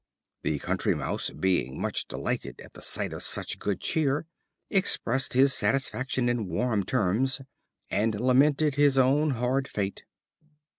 The Country Mouse, being much delighted at the sight of such good cheer, expressed his satisfaction in warm terms, and lamented his own hard fate.